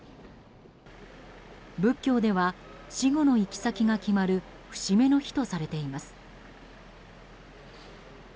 仏教では死後の行き先が決まる節目の日とされています。